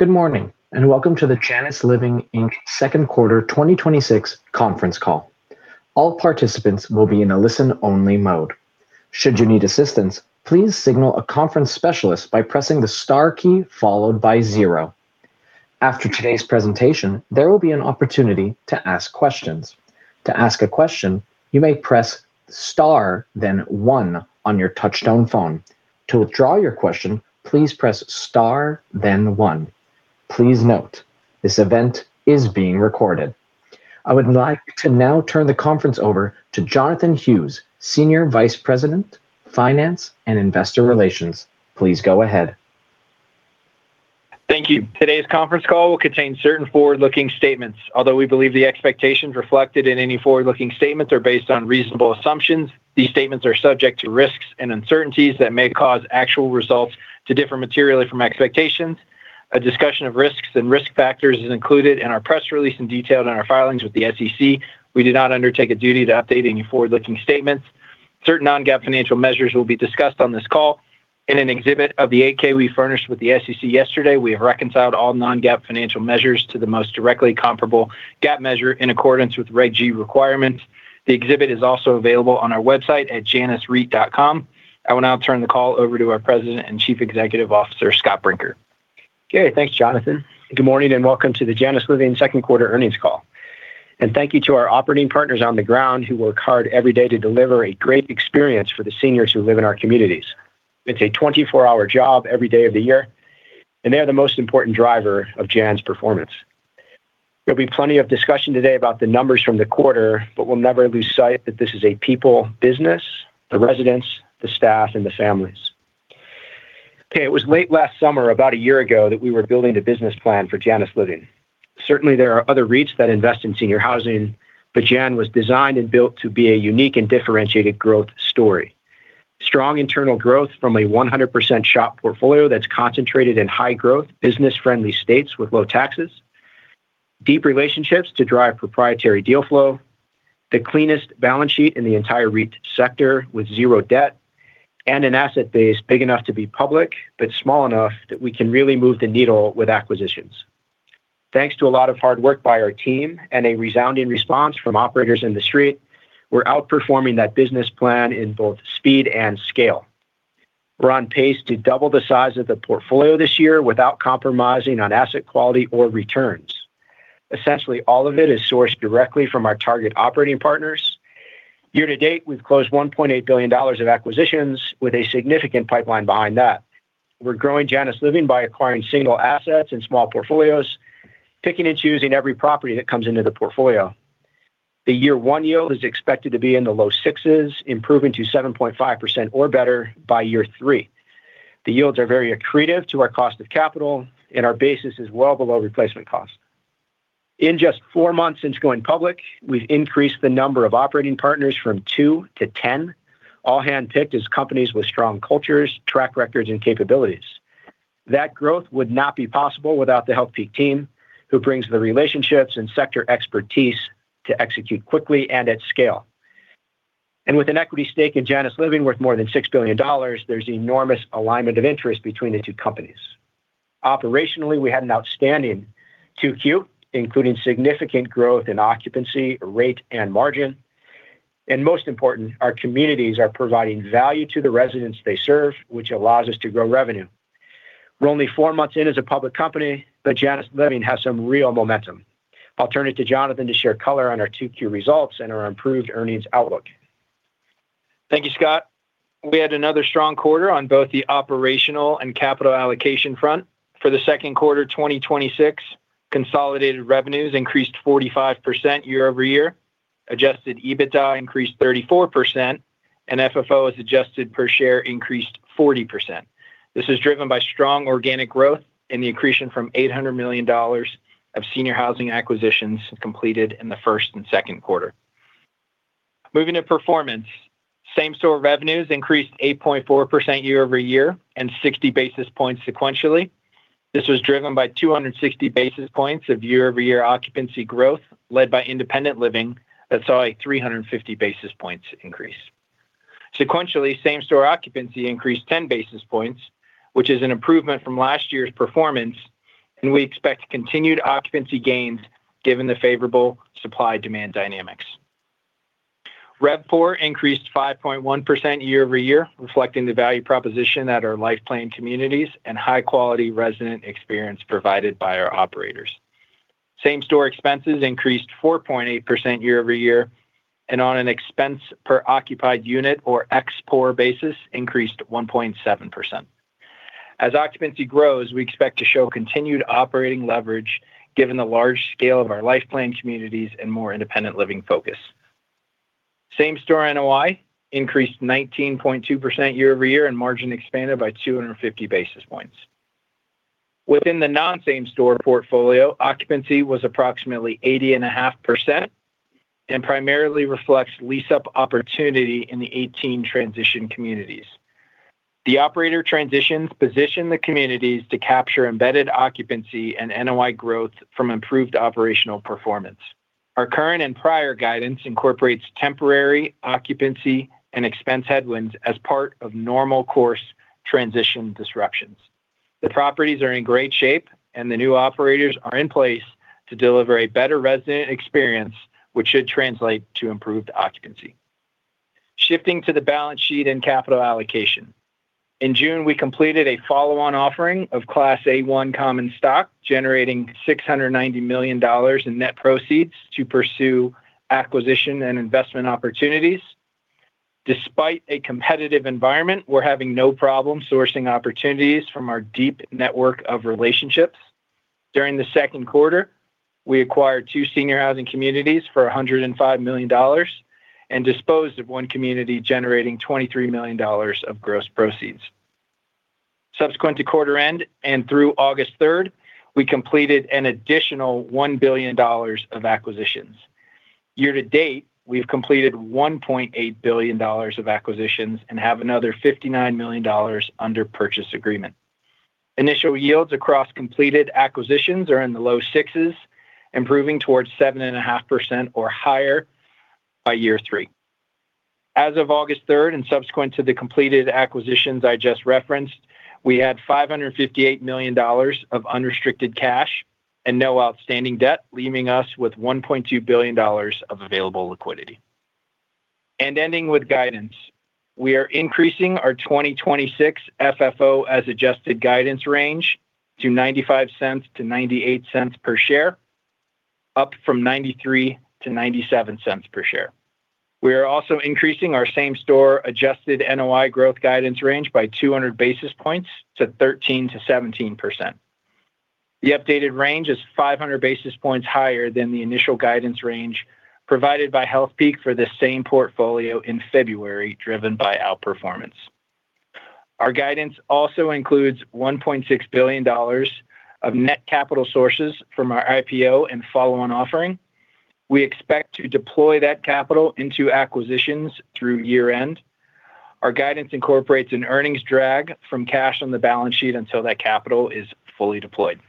Good morning, welcome to the Janus Living Inc. second quarter 2026 conference call. All participants will be in a listen-only mode. Should you need assistance, please signal a conference specialist by pressing the star key followed by zero. After today's presentation, there will be an opportunity to ask questions. To ask a question, you may press star then one on your touch-tone phone. To withdraw your question, please press star then one. Please note, this event is being recorded. I would like to now turn the conference over to Jonathan Hughes, Senior Vice President, Finance and Investor Relations. Please go ahead. Thank you. Today's conference call will contain certain forward-looking statements. Although we believe the expectations reflected in any forward-looking statements are based on reasonable assumptions, these statements are subject to risks and uncertainties that may cause actual results to differ materially from expectations. A discussion of risks and risk factors is included in our press release and detailed in our filings with the SEC. We do not undertake a duty to update any forward-looking statements. Certain non-GAAP financial measures will be discussed on this call. In an exhibit of the 8-K we furnished with the SEC yesterday, we have reconciled all non-GAAP financial measures to the most directly comparable GAAP measure in accordance with Reg G requirements. The exhibit is also available on our website at janusreit.com. I will now turn the call over to our President and Chief Executive Officer, Scott Brinker. Okay. Thanks, Jonathan. Good morning, welcome to the Janus Living second quarter earnings call. Thank you to our operating partners on the ground who work hard every day to deliver a great experience for the seniors who live in our communities. It's a 24-hour job every day of the year, they are the most important driver of Janus' performance. We'll be plenty of discussion today about the numbers from the quarter, we'll never lose sight that this is a people business, the residents, the staff, and the families. Okay. It was late last summer, about a year ago, that we were building the business plan for Janus Living. Certainly, there are other REITs that invest in senior housing, Janus was designed and built to be a unique and differentiated growth story. Strong internal growth from a 100% SHOP portfolio that's concentrated in high growth, business-friendly states with low taxes, deep relationships to drive proprietary deal flow, the cleanest balance sheet in the entire REIT sector with zero debt, an asset base big enough to be public, small enough that we can really move the needle with acquisitions. Thanks to a lot of hard work by our team and a resounding response from operators in the street, we're outperforming that business plan in both speed and scale. We're on pace to double the size of the portfolio this year without compromising on asset quality or returns. Essentially, all of it is sourced directly from our target operating partners. Year to date, we've closed $1.8 billion of acquisitions with a significant pipeline behind that. We're growing Janus Living by acquiring single assets and small portfolios, picking and choosing every property that comes into the portfolio. The year one yield is expected to be in the low sixes, improving to 7.5% or better by year three. The yields are very accretive to our cost of capital, and our basis is well below replacement cost. In just four months since going public, we've increased the number of operating partners from 2-10, all handpicked as companies with strong cultures, track records, and capabilities. That growth would not be possible without the Healthpeak team, who brings the relationships and sector expertise to execute quickly and at scale. With an equity stake in Janus Living worth more than $6 billion, there's enormous alignment of interest between the two companies. Operationally, we had an outstanding 2Q, including significant growth in occupancy, rate, and margin. Most important, our communities are providing value to the residents they serve, which allows us to grow revenue. We're only four months in as a public company, but Janus Living has some real momentum. I'll turn it to Jonathan to share color on our 2Q results and our improved earnings outlook. Thank you, Scott. We had another strong quarter on both the operational and capital allocation front. For the second quarter 2026, consolidated revenues increased 45% year-over-year, adjusted EBITDA increased 34%, and FFO as adjusted per share increased 40%. This is driven by strong organic growth and the accretion from $800 million of senior housing acquisitions completed in the first and second quarter. Moving to performance. Same store revenues increased 8.4% year-over-year and 60 basis points sequentially. This was driven by 260 basis points of year-over-year occupancy growth, led by Independent Living that saw a 350 basis points increase. Sequentially, same store occupancy increased 10 basis points, which is an improvement from last year's performance, and we expect continued occupancy gains given the favorable supply-demand dynamics. RevPOR increased 5.1% year-over-year, reflecting the value proposition at our life plan communities and high-quality resident experience provided by our operators. Same store expenses increased 4.8% year-over-year and on an expense per occupied unit or xPOR basis increased 1.7%. As occupancy grows, we expect to show continued operating leverage given the large scale of our life plan communities and more Independent Living focus. Same store NOI increased 19.2% year-over-year and margin expanded by 250 basis points. Within the non-same store portfolio, occupancy was approximately 80.5% and primarily reflects lease-up opportunity in the 18 transition communities. The operator transitions position the communities to capture embedded occupancy and NOI growth from improved operational performance. Our current and prior guidance incorporates temporary occupancy and expense headwinds as part of normal course transition disruptions. The properties are in great shape, and the new operators are in place to deliver a better resident experience, which should translate to improved occupancy. Shifting to the balance sheet and capital allocation. In June, we completed a follow-on offering of Class A1 common stock, generating $690 million in net proceeds to pursue acquisition and investment opportunities. Despite a competitive environment, we're having no problem sourcing opportunities from our deep network of relationships. During the second quarter, we acquired two senior housing communities for $105 million and disposed of one community, generating $23 million of gross proceeds. Subsequent to quarter end and through August 3rd, we completed an additional $1 billion of acquisitions. Year to date, we've completed $1.8 billion of acquisitions and have another $59 million under purchase agreement. Initial yields across completed acquisitions are in the low sixes, improving towards 7.5% or higher by year three. As of August 3rd and subsequent to the completed acquisitions I just referenced, we had $558 million of unrestricted cash and no outstanding debt, leaving us with $1.2 billion of available liquidity. Ending with guidance. We are increasing our 2026 FFO as adjusted guidance range to $0.95 to $0.98 per share, up from $0.93-$0.97 per share. We are also increasing our same store adjusted NOI growth guidance range by 200 basis points to 13%-17%. The updated range is 500 basis points higher than the initial guidance range provided by Healthpeak for the same portfolio in February, driven by outperformance. Our guidance also includes $1.6 billion of net capital sources from our IPO and follow-on offering. We expect to deploy that capital into acquisitions through year end. Our guidance incorporates an earnings drag from cash on the balance sheet until that capital is fully deployed.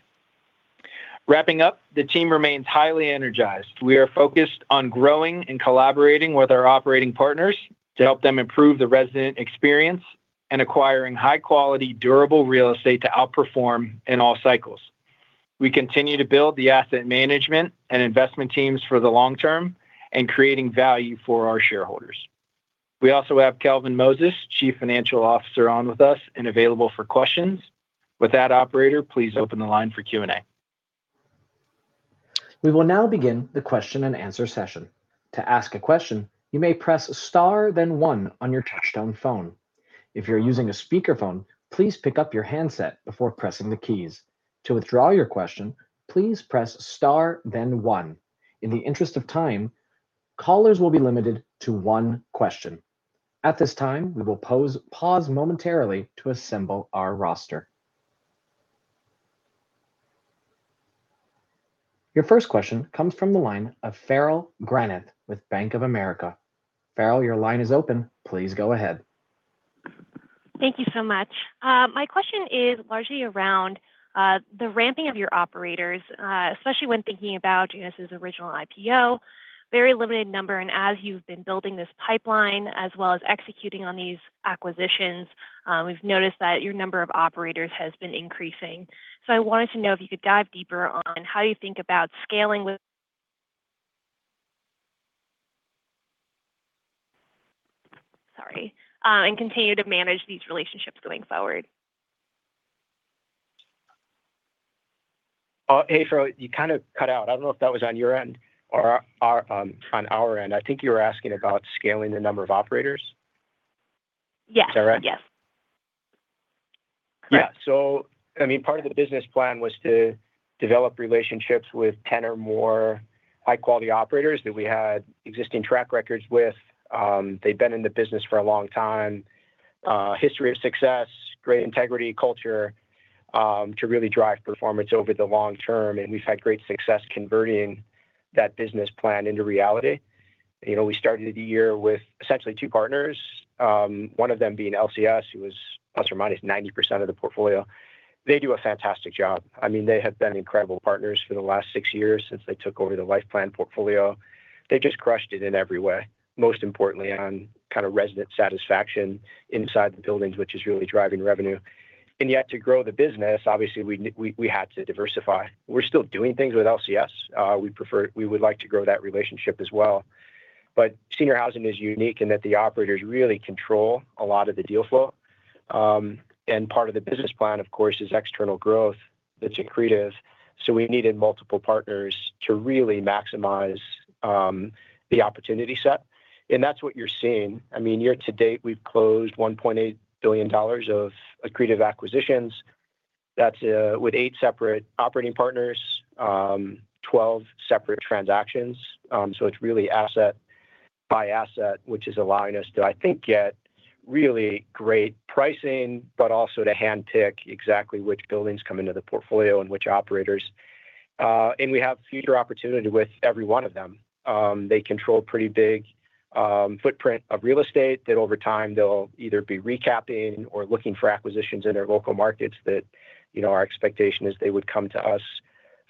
Wrapping up, the team remains highly energized. We are focused on growing and collaborating with our operating partners to help them improve the resident experience and acquiring high-quality, durable real estate to outperform in all cycles. We continue to build the asset management and investment teams for the long term and creating value for our shareholders. We also have Kelvin Moses, Chief Financial Officer, on with us and available for questions. With that, operator, please open the line for Q&A. We will now begin the question and answer session. To ask a question, you may press star then one on your touch-tone phone. If you're using a speakerphone, please pick up your handset before pressing the keys. To withdraw your question, please press star then one. In the interest of time, callers will be limited to one question. At this time, we will pause momentarily to assemble our roster. Your first question comes from the line of Farrell Granath with Bank of America. Farrell, your line is open. Please go ahead. Thank you so much. My question is largely around the ramping of your operators, especially when thinking about Janus Living original IPO. Very limited number, and as you've been building this pipeline, as well as executing on these acquisitions, we've noticed that your number of operators has been increasing. I wanted to know if you could dive deeper on how you think about scaling with Sorry. Continue to manage these relationships going forward. Hey, Farrell, you kind of cut out. I don't know if that was on your end or on our end. I think you were asking about scaling the number of operators. Yes. Is that right? Yes. Yeah. Part of the business plan was to develop relationships with 10 or more high-quality operators that we had existing track records with. They'd been in the business for a long time, history of success, great integrity culture, to really drive performance over the long term, and we've had great success converting that business plan into reality. We started the year with essentially two partners, one of them being LCS, who was, plus or minus 90% of the portfolio. They do a fantastic job. They have been incredible partners for the last six years since they took over the Life Plan portfolio. They just crushed it in every way, most importantly on resident satisfaction inside the buildings, which is really driving revenue. Yet to grow the business, obviously, we had to diversify. We're still doing things with LCS. We would like to grow that relationship as well. Senior housing is unique in that the operators really control a lot of the deal flow. Part of the business plan, of course, is external growth that's accretive, so we needed multiple partners to really maximize the opportunity set. That's what you're seeing. Year to date, we've closed $1.8 billion of accretive acquisitions. That's with eight separate operating partners, 12 separate transactions. It's really asset by asset, which is allowing us to, I think, get really great pricing, but also to handpick exactly which buildings come into the portfolio and which operators. We have future opportunity with every one of them. They control pretty bigfootprint of real estate that over time they'll either be recapping or looking for acquisitions in their local markets that our expectation is they would come to us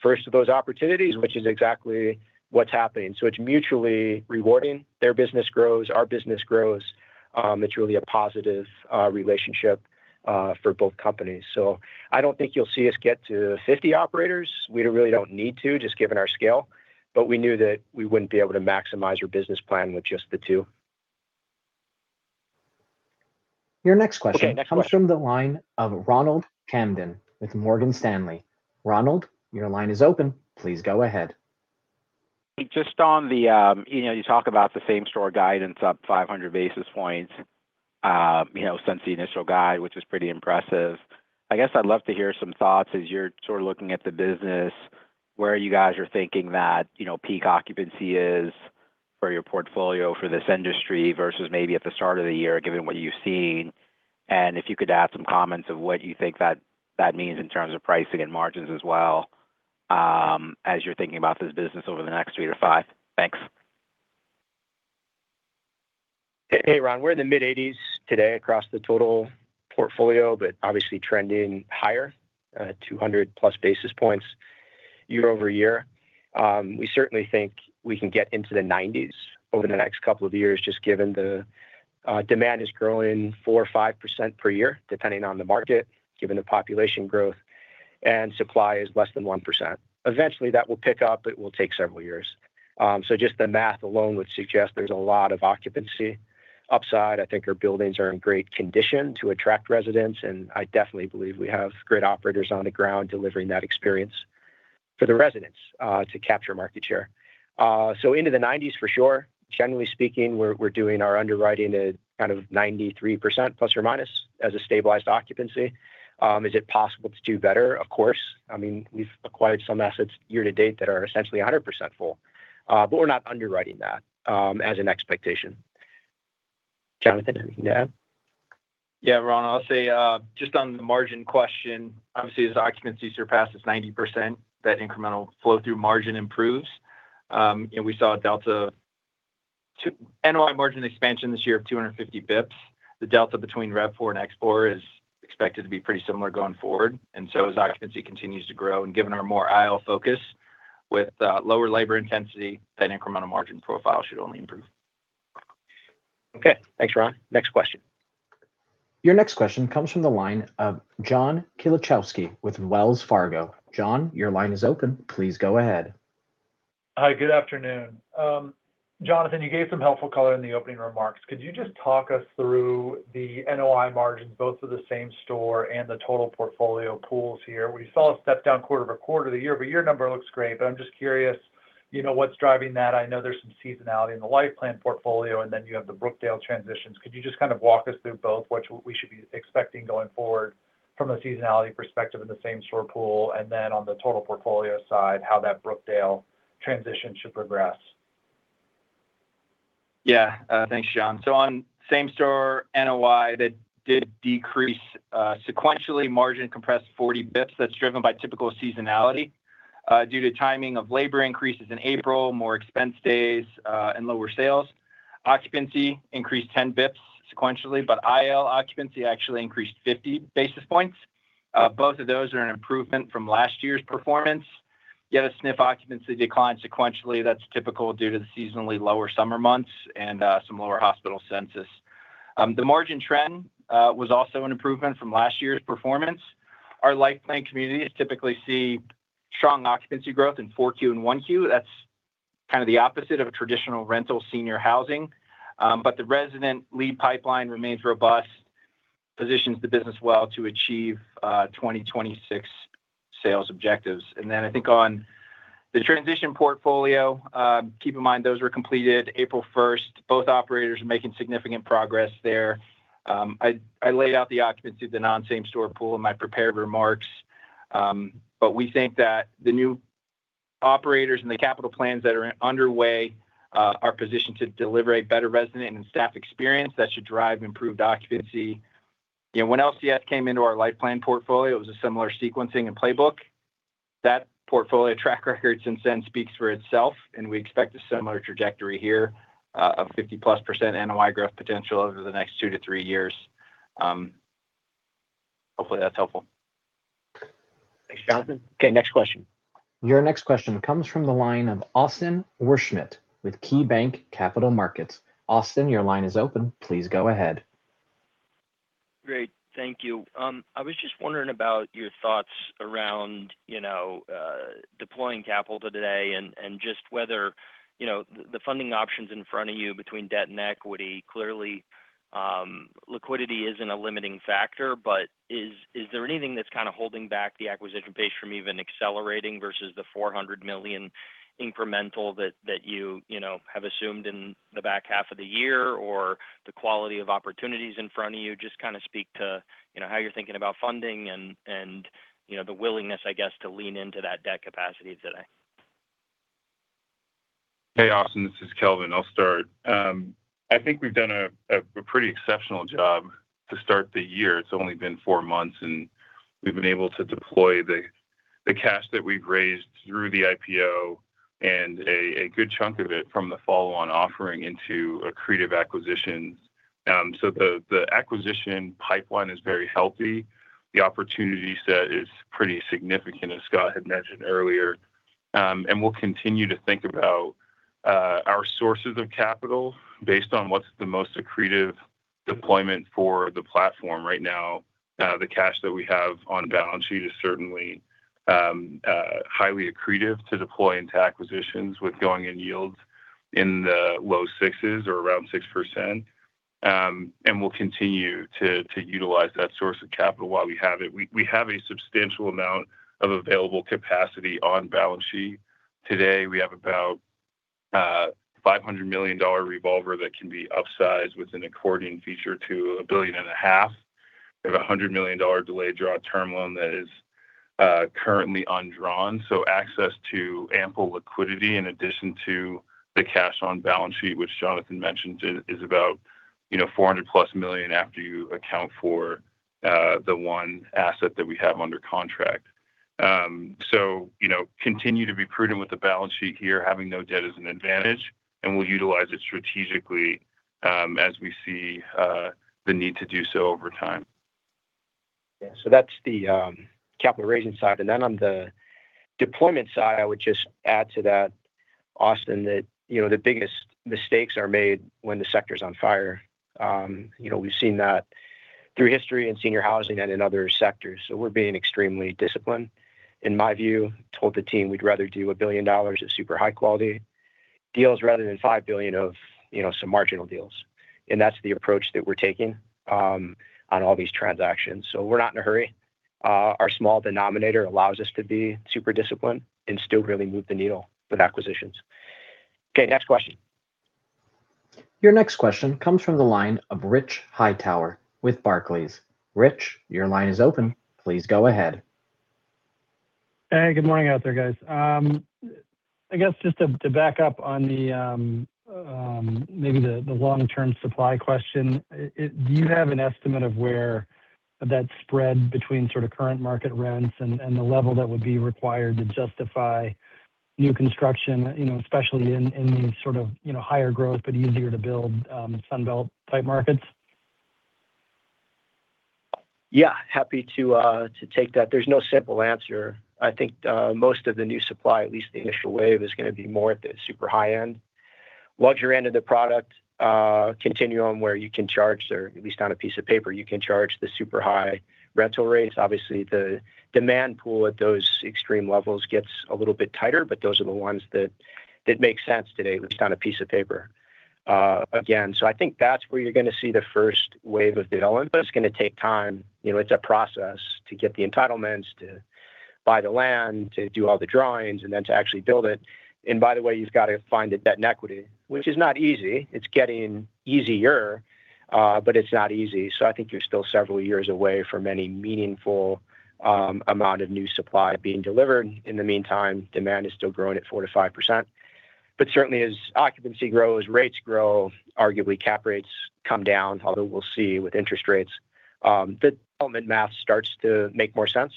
first to those opportunities, which is exactly what's happening. It's mutually rewarding. Their business grows, our business grows. It's really a positive relationship for both companies. I don't think you'll see us get to 50 operators. We really don't need to, just given our scale. We knew that we wouldn't be able to maximize our business plan with just the two. Your next question comes from the line of Ronald Kamdem with Morgan Stanley. Ronald, your line is open. Please go ahead. You talk about the same-store guidance up 500 basis points since the initial guide, which was pretty impressive. I guess I'd love to hear some thoughts as you're sort of looking at the business, where you guys are thinking that peak occupancy is for your portfolio for this industry versus maybe at the start of the year, given what you've seen. If you could add some comments of what you think that means in terms of pricing and margins as well as you're thinking about this business over the next three to five. Thanks. Hey, Ronald. We're in the mid-80s today across the total portfolio. Obviously trending higher, 200 plus basis points year-over-year. We certainly think we can get into the 90s over the next couple of years, just given the demand is growing 4% or 5% per year, depending on the market, given the population growth, and supply is less than 1%. Eventually, that will pick up. It will take several years. Just the math alone would suggest there's a lot of occupancy upside. I think our buildings are in great condition to attract residents, and I definitely believe we have great operators on the ground delivering that experience for the residents to capture market share. Into the 90s for sure. Generally speaking, we're doing our underwriting at kind of 93% ± as a stabilized occupancy. Is it possible to do better? Of course. We've acquired some assets year-to-date that are essentially 100% full. We're not underwriting that as an expectation. Jonathan, anything to add? Ronald, I'll say just on the margin question, obviously as occupancy surpasses 90%, that incremental flow through margin improves. We saw a delta to NOI margin expansion this year of 250 basis points. The delta between RevPOR and ExpPOR is expected to be pretty similar going forward. As occupancy continues to grow and given our more IL focus with lower labor intensity, that incremental margin profile should only improve. Okay. Thanks, Ronald. Next question. Your next question comes from the line of John Kilichowski with Wells Fargo. John, your line is open. Please go ahead. Hi, good afternoon. Jonathan, you gave some helpful color in the opening remarks. Could you just talk us through the NOI margins, both of the same store and the total portfolio pools here? We saw a step down quarter-over-quarter. The year-over-year number looks great, but I'm just curious what's driving that. I know there's some seasonality in the life plan portfolio, and then you have the Brookdale transitions. Could you just kind of walk us through both, what we should be expecting going forward from a seasonality perspective in the same store pool, and then on the total portfolio side, how that Brookdale transition should progress? Yeah. Thanks, John. On same store NOI, that did decrease sequentially. Margin compressed 40 basis points. That's driven by typical seasonality due to timing of labor increases in April, more expense days, and lower sales. Occupancy increased 10 basis points sequentially, but IL occupancy actually increased 50 basis points. Both of those are an improvement from last year's performance. You had a SNF occupancy decline sequentially. That's typical due to the seasonally lower summer months and some lower hospital census. The margin trend was also an improvement from last year's performance. Our life plan communities typically see strong occupancy growth in 4Q and 1Q. That's kind of the opposite of a traditional rental senior housing. The resident lead pipeline remains robust, positions the business well to achieve 2026 sales objectives. I think on the transition portfolio, keep in mind those were completed April 1st. Both operators are making significant progress there. I laid out the occupancy of the non-same store pool in my prepared remarks. We think that the new operators and the capital plans that are underway are positioned to deliver a better resident and staff experience that should drive improved occupancy. When LCS came into our life plan portfolio, it was a similar sequencing and playbook. That portfolio track record since then speaks for itself, and we expect a similar trajectory here of 50+ % NOI growth potential over the next 2-3 years. Hopefully that's helpful. Thanks, Jonathan. Okay, next question. Your next question comes from the line of Austin Wurschmidt with KeyBanc Capital Markets. Austin, your line is open. Please go ahead. Great. Thank you. I was just wondering about your thoughts around deploying capital today and just whether the funding options in front of you between debt and equity. Clearly liquidity isn't a limiting factor, but is there anything that's kind of holding back the acquisition pace from even accelerating versus the $400 million incremental that you have assumed in the back half of the year, or the quality of opportunities in front of you? Just kind of speak to how you're thinking about funding and the willingness, I guess, to lean into that debt capacity today. Hey, Austin, this is Kelvin. I'll start. I think we've done a pretty exceptional job to start the year. It's only been four months, and we've been able to deploy the cash that we've raised through the IPO and a good chunk of it from the follow-on offering into accretive acquisitions. The acquisition pipeline is very healthy. The opportunity set is pretty significant, as Scott had mentioned earlier. We'll continue to think about our sources of capital based on what's the most accretive deployment for the platform right now. The cash that we have on the balance sheet is certainly highly accretive to deploy into acquisitions with going-in yields in the low sixes or around 6%. We'll continue to utilize that source of capital while we have it. We have a substantial amount of available capacity on balance sheet. Today, we have about a $500 million revolver that can be upsized with an accordion feature to $1.5 billion. We have a $100 million delayed draw term loan that is currently undrawn. Access to ample liquidity, in addition to the cash on balance sheet, which Jonathan mentioned, is about $400+ million after you account for the one asset that we have under contract. Continue to be prudent with the balance sheet here, having no debt is an advantage, and we'll utilize it strategically as we see the need to do so over time. Yeah. That's the capital raising side. On the deployment side, I would just add to that, Austin, that the biggest mistakes are made when the sector's on fire. We've seen that through history in senior housing and in other sectors. We're being extremely disciplined. In my view, told the team we'd rather do $1 billion at super high quality deals rather than $5 billion of some marginal deals. That's the approach that we're taking on all these transactions. We're not in a hurry. Our small denominator allows us to be super disciplined and still really move the needle with acquisitions. Okay, next question. Your next question comes from the line of Rich Hightower with Barclays. Rich, your line is open. Please go ahead. Hey, good morning out there, guys. I guess just to back up on maybe the long-term supply question. Do you have an estimate of where that spread between sort of current market rents and the level that would be required to justify new construction, especially in these sort of higher growth but easier to build Sun Belt type markets? Happy to take that. There's no simple answer. I think most of the new supply, at least the initial wave, is going to be more at the super high-end, luxury end of the product continuum, where you can charge, or at least on a piece of paper, you can charge the super high rental rates. Obviously, the demand pool at those extreme levels gets a little bit tighter, but those are the ones that make sense today, at least on a piece of paper. Again, I think that's where you're going to see the first wave of development. It's going to take time. It's a process to get the entitlements, to buy the land, to do all the drawings, and then to actually build it. By the way, you've got to find the debt and equity, which is not easy. It's getting easier but it's not easy. I think you're still several years away from any meaningful amount of new supply being delivered. In the meantime, demand is still growing at 4%-5%. Certainly as occupancy grows, rates grow, arguably cap rates come down. Although we'll see with interest rates. The development math starts to make more sense.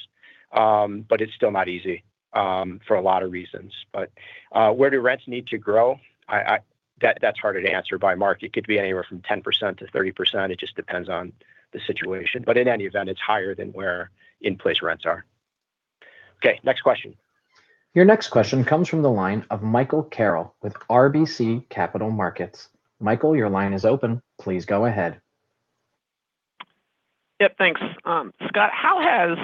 It's still not easy for a lot of reasons. Where do rents need to grow? That's harder to answer by market. Could be anywhere from 10%-30%. It just depends on the situation. In any event, it's higher than where in-place rents are. Okay, next question. Your next question comes from the line of Michael Carroll with RBC Capital Markets. Michael, your line is open. Please go ahead. Thanks. Scott, how has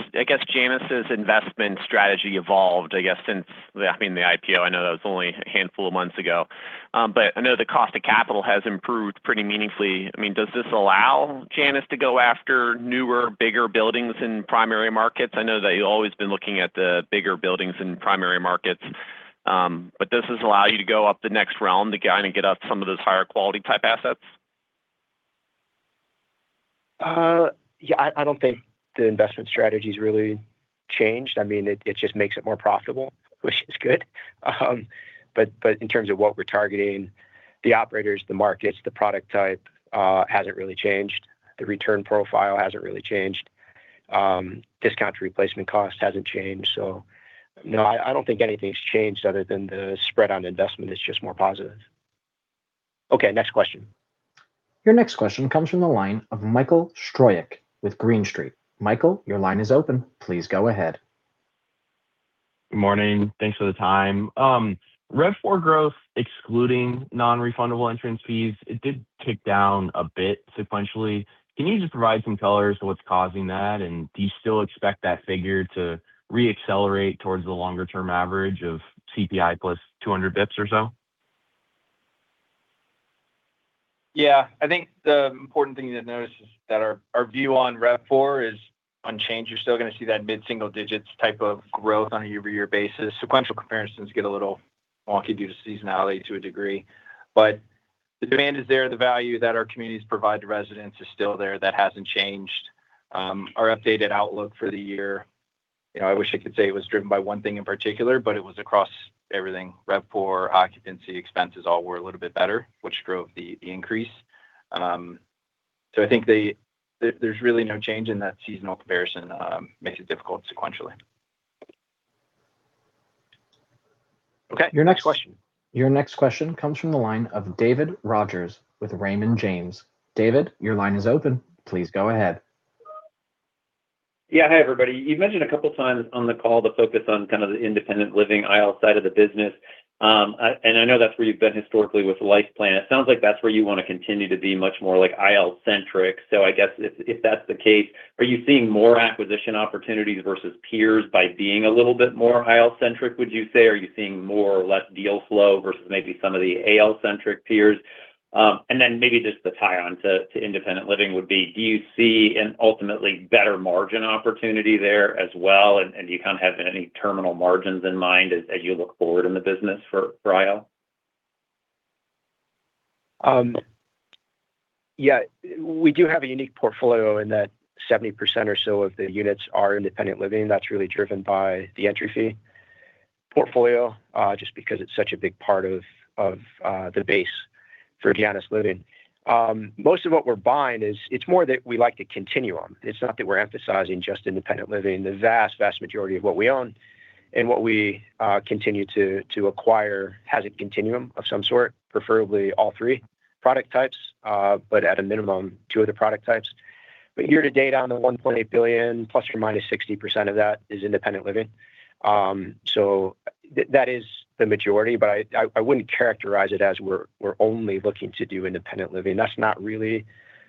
Janus Living investment strategy evolved, I guess since the IPO? I know that was only a handful of months ago. I know the cost of capital has improved pretty meaningfully. Does this allow Janus to go after newer, bigger buildings in primary markets? I know that you've always been looking at the bigger buildings in primary markets. Does this allow you to go up the next realm to kind of get up some of those higher quality type assets? Yeah, I don't think the investment strategy's really changed. It just makes it more profitable, which is good. In terms of what we're targeting, the operators, the markets, the product type, hasn't really changed. The return profile hasn't really changed. Discount to replacement cost hasn't changed. No, I don't think anything's changed other than the spread on investment is just more positive. Okay, next question. Your next question comes from the line of Michael Stroyeck with Green Street. Michael, your line is open. Please go ahead. Good morning. Thanks for the time. RevPOR growth, excluding non-refundable entrance fees, it did tick down a bit sequentially. Can you just provide some color as to what's causing that, and do you still expect that figure to re-accelerate towards the longer-term average of CPI plus 200 basis points or so? Yeah. I think the important thing to notice is that our view on RevPOR is unchanged. You're still going to see that mid-single digits type of growth on a year-over-year basis. Sequential comparisons get a little wonky due to seasonality to a degree. The demand is there. The value that our communities provide to residents is still there. That hasn't changed. Our updated outlook for the year, I wish I could say it was driven by one thing in particular, but it was across everything. RevPOR, occupancy, expenses, all were a little bit better, which drove the increase. I think there's really no change in that seasonal comparison. Makes it difficult sequentially. Okay. Your next question comes from the line of David Rodgers with Raymond James. David, your line is open. Please go ahead. Yeah. Hey, everybody. You've mentioned a couple times on the call the focus on kind of the independent living IL side of the business. I know that's where you've been historically with life plan. It sounds like that's where you want to continue to be much more like IL-centric. I guess if that's the case, are you seeing more acquisition opportunities versus peers by being a little bit more IL-centric, would you say? Are you seeing more or less deal flow versus maybe some of the AL-centric peers? Then maybe just the tie-on to independent living would be, do you see an ultimately better margin opportunity there as well? Do you kind of have any terminal margins in mind as you look forward in the business for IL? Yeah. We do have a unique portfolio in that 70% or so of the units are independent living. That's really driven by the entry fee portfolio, just because it's such a big part of the base for Janus Living. Most of what we're buying is, it's more that we like the continuum. It's not that we're emphasizing just independent living. The vast majority of what we own and what we continue to acquire has a continuum of some sort, preferably all three product types, but at a minimum, two of the product types. Year to date, on the $1.8 billion, plus or minus 60% of that is independent living. That is the majority, but I wouldn't characterize it as we're only looking to do independent living. That's not really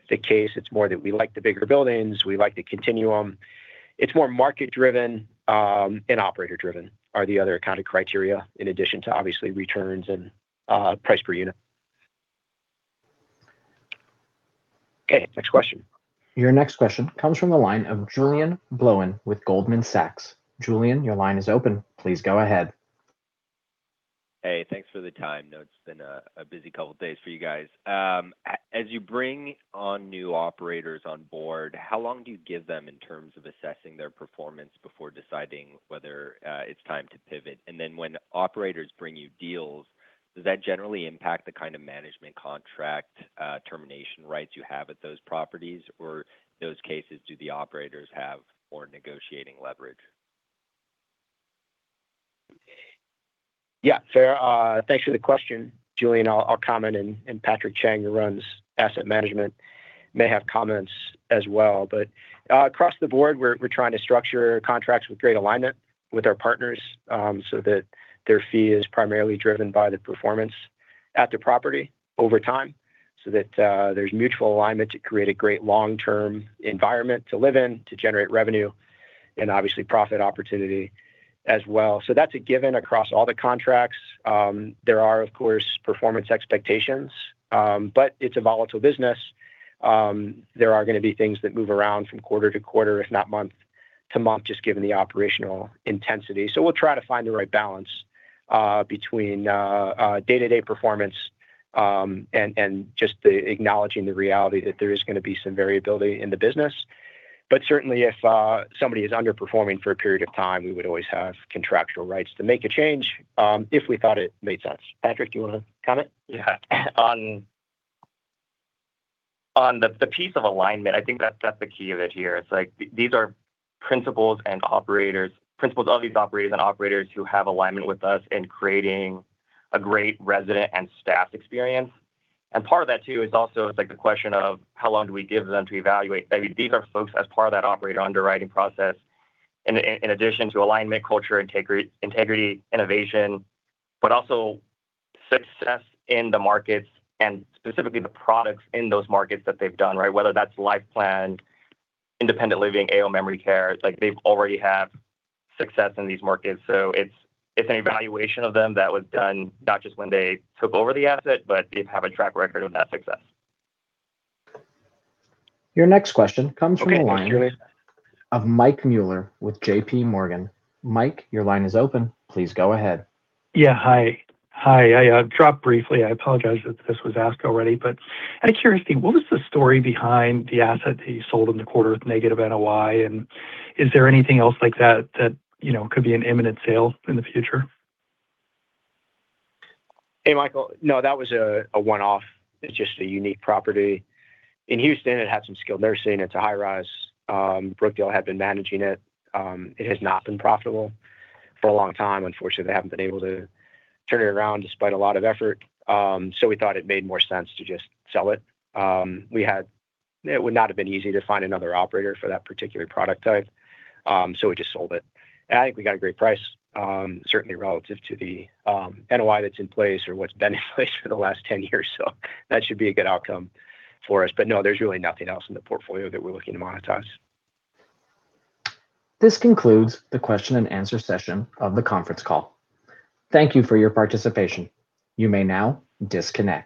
the case. It's more that we like the bigger buildings. We like the continuum. It's more market driven, and operator driven are the other kind of criteria in addition to obviously returns and price per unit. Okay, next question. Your next question comes from the line of Julien Blouin with Goldman Sachs. Julien, your line is open. Please go ahead. Hey, thanks for the time. I know it's been a busy couple days for you guys. As you bring on new operators on board, how long do you give them in terms of assessing their performance before deciding whether it's time to pivot? When operators bring you deals, does that generally impact the kind of management contract termination rights you have at those properties? Do those cases, do the operators have more negotiating leverage? Yeah, fair. Thanks for the question, Julien. I'll comment and Patrick Cheng, who runs asset management, may have comments as well. Across the board, we're trying to structure contracts with great alignment with our partners, that their fee is primarily driven by the performance at the property over time. That there's mutual alignment to create a great long-term environment to live in, to generate revenue, and obviously profit opportunity as well. That's a given across all the contracts. There are, of course, performance expectations. It's a volatile business. There are going to be things that move around from quarter to quarter, if not month to month, just given the operational intensity. We'll try to find the right balance between day-to-day performance, and just the acknowledging the reality that there is going to be some variability in the business. Certainly if somebody is underperforming for a period of time, we would always have contractual rights to make a change, if we thought it made sense. Patrick, do you want to comment? Yeah. On the piece of alignment, I think that's the key of it here. It's like these are principals of these operators and operators who have alignment with us in creating a great resident and staff experience. Part of that too is also, it's like the question of how long do we give them to evaluate? These are folks as part of that operator underwriting process in addition to alignment, culture, integrity, innovation, but also success in the markets and specifically the products in those markets that they've done, right? Whether that's life plan, independent living, AL memory care. It's like they already have success in these markets. It's an evaluation of them that was done not just when they took over the asset, but they have a track record of that success. Your next question comes from the line- Okay. Thanks, Julien. -of Michael Mueller with J.P. Morgan. Mike, your line is open. Please go ahead. Yeah. Hi. I dropped briefly. I apologize if this was asked already. Out of curiosity, what was the story behind the asset that you sold in the quarter with negative NOI, and is there anything else like that that could be an imminent sale in the future? Hey, Michael. No, that was a one-off. It's just a unique property. In Houston, it had some skilled nursing. It's a high-rise. Brookdale had been managing it. It has not been profitable for a long time. Unfortunately, they haven't been able to turn it around despite a lot of effort. We thought it made more sense to just sell it. It would not have been easy to find another operator for that particular product type, we just sold it. I think we got a great price, certainly relative to the NOI that's in place or what's been in place for the last 10 years. That should be a good outcome for us. No, there's really nothing else in the portfolio that we're looking to monetize. This concludes the question and answer session of the conference call. Thank you for your participation. You may now disconnect.